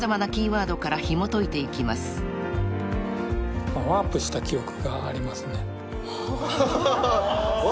「ワープした記憶がありますね」